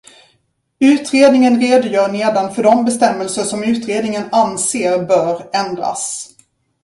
Utredningen redogör nedan för de bestämmelser som utredningen anser bör ändras.